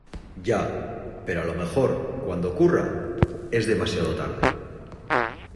ya, pero a lo mejor , cuando ocurra , es demasiado tarde.